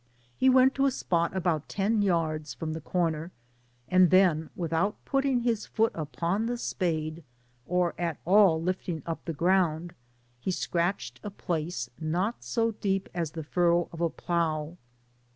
He went to a spot about %m yards fruna the comer, and then, without putting his foot upon the spade, or at all lifting up the g^und, he si^ratched a place not so deep as the furrow pf a' plough.